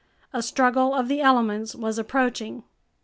A struggle of the elements was approaching.